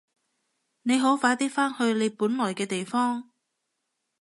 你好快啲返去你本來嘅地方！